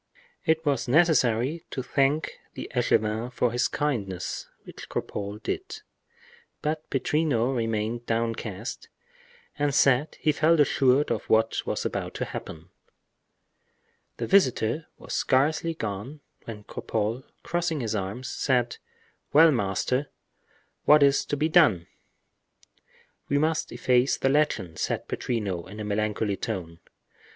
It was necessary to thank the echevin for his kindness, which Cropole did. But Pittrino remained downcast and said he felt assured of what was about to happen. The visitor was scarcely gone when Cropole, crossing his arms, said: "Well, master, what is to be done?" "We must efface the legend," said Pittrino, in a melancholy tone.